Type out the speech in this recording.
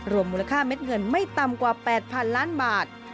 มูลค่าเม็ดเงินไม่ต่ำกว่า๘๐๐๐ล้านบาท